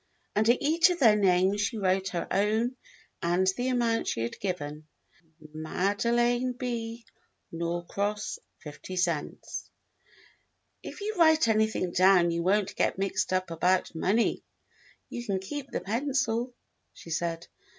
Under each of their names she wrote her own and the amount she had given : "Made line B. Norcross, 50 cents." "If you write everything down you won't get mixed up about the money. You can keep the pencil," she said.